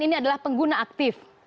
ini adalah pengguna aktif